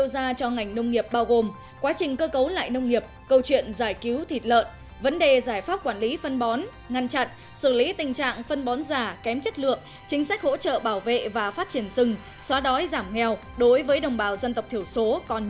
xin chào và hẹn gặp lại các bạn trong các bộ phim tiếp theo